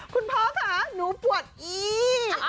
คุณพ่อค่ะหนูปวดอี